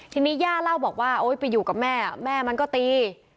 ทีนี้ย่าเล่าบอกว่าโอ๊ยไปอยู่กับแม่แม่มันก็ตี